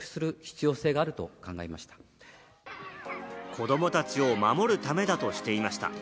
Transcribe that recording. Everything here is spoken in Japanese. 子どもたちを守るためだとしていました。